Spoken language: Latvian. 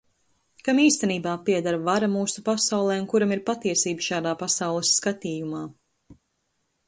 Kam īstenībā pieder vara mūsu pasaulē un kuram ir patiesība šādā pasaules skatījumā?